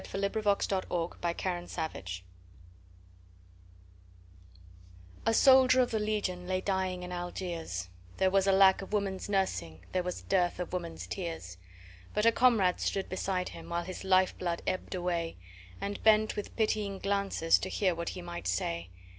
Caroline Norton Bingen on the Rhine A SOLDIER of the Legion lay dying in Algiers, There was a lack of woman's nursing, there was dearth of woman's tears; But a comrade stood beside him, while his lifeblood ebbed away, And bent with pitying glances, to hear what he might say.